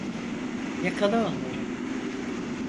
Yakala onları!